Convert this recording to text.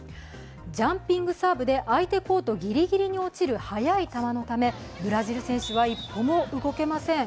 ジャンピングサーブで相手コートギリギリに落ちる速い球のためブラジル選手は一歩も動けません。